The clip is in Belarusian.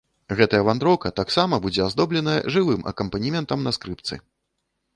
Гэтая вандроўка таксама будзе аздобленая жывым акампанементам на скрыпцы!